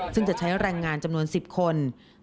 ซึ่งจะใช้แรงงานจำนวน๑๐คน